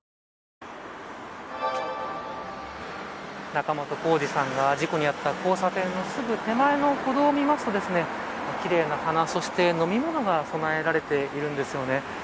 仲本工事さんが事故に遭った交差点のすぐ手前の歩道を見ると奇麗な花飲み物が供えられているんですよね。